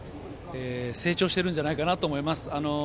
成長してるんじゃないかと思います。